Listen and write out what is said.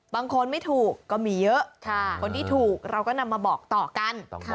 บางคนไม่ถูกก็มีเยอะคนที่ถูกเราก็นำมาบอกต่อกัน